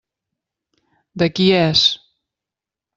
De qui és?